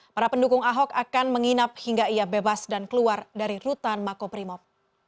para pendukung ahok akan menginap hingga ia bebas dan keluar dari rutan makobrimob